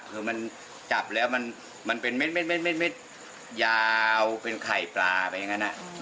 คือมันจับแล้วมันเป็นเม็ดยาวเป็นไข่ปลาไปอย่างนั้น